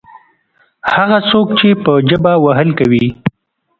هغه څوک چې په ژبه وهل کوي.